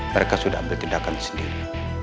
mereka sudah ambil tindakan sendiri